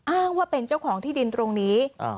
อ้างว่าเป็นเจ้าของที่ดินตรงนี้